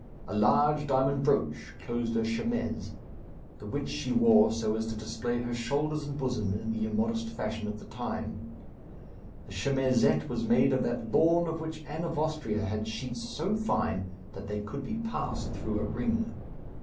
A large diamond brooch closed her chemise, the which she wore so as to display her shoulders and bosom, in the immodest fashion of the time; the chemisette was made of that lawn of which Anne of Austria had sheets so fine that they could be passed through a ring.